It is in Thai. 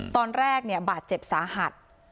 ตอนแรกเนี่ยบาดเจ็บสาหัส